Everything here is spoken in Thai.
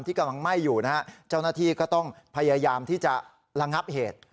กำลังไหม้อยู่นะฮะเจ้าหน้าที่ก็ต้องพยายามที่จะระงับเหตุ